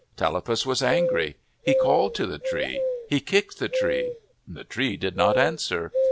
Tallapus was angry. He called to the tree. He kicked the tree. The tree did not answer.